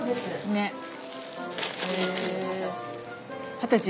二十歳？